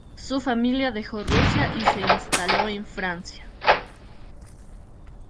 Su familia dejó Rusia y se instaló en Francia.